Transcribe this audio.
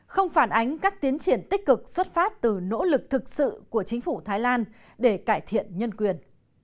không phản ánh các tiến triển tích cực xuất phát từ nỗ lực thực sự của chính phủ thái lan để cải thiện nhân quyền